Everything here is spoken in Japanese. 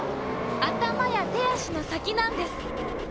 頭や手足の先なんです。